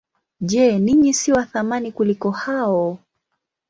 Je, ninyi si wa thamani kuliko hao?